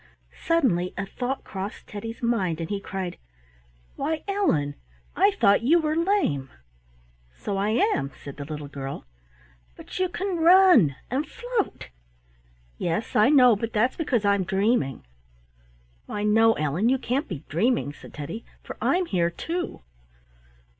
Suddenly a thought crossed Teddy's mind, and he cried, "Why, Ellen, I thought you were lame!" "So I am," said the little girl. "But you can run and float." "Yes, I know, but that's because I'm dreaming." "Why, no, Ellen, you can't be dreaming," said Teddy, "for I'm here too."